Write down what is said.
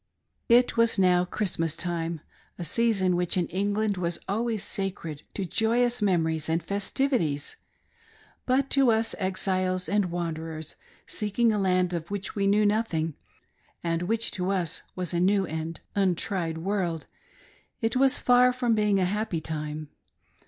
It was now Christmas time — a season which in England ■was always sacred to joyous memories and festivities ; but to us, exiles and wanderers, seeking a land of which we knew nothing, and which to us was a new and untried world, it was far from being a happy time.